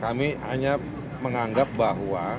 kami hanya menganggap bahwa